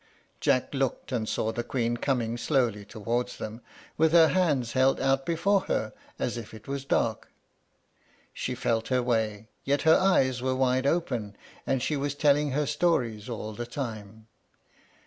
Jack looked, and saw the Queen coming slowly towards them, with her hands held out before her, as if it was dark. She felt her way, yet her eyes were wide open, and she was telling her stories all the time.